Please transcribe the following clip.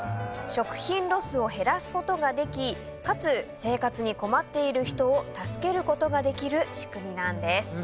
食品ロスを減らすことができかつ生活に困っている人を助けることができる仕組みなんです。